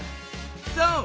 そう！